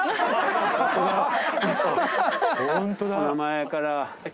お名前から。